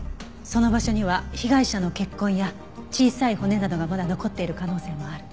その場所には被害者の血痕や小さい骨などがまだ残っている可能性もある。